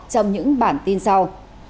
trong những bản tin sau